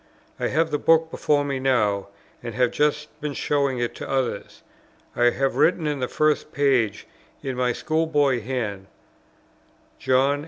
I have the book before me now, and have just been showing it to others. I have written in the first page, in my school boy hand, "John.